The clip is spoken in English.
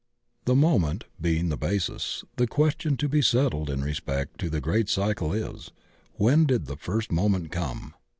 The moment being the basis, the question to be settled in respect to the great cycle is. When did the first moment come?